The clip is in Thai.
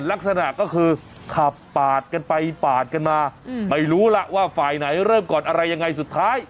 ลักษณะก็คือขับปาดกันไปปาดกันมาไม่รู้ล่ะว่าฝ่ายไหนเริ่มก่อนอะไรยังไงสุดท้าย